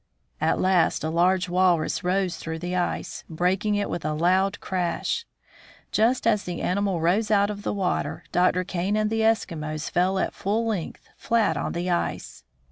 At last a large walrus rose through the ice, breaking it with a loud crash. Just as the animal rose out of the water, Dr. Kane and the Eskimos fell at full length, flat on the ice.